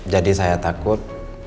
jadi saya takut